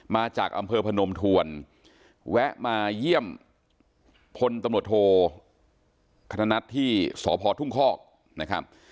มาจากอำเภอพนมทวนแวะมาเยี่ยมพลตำรวจโทคณัฐที่สพทุ่งคอกนะครับ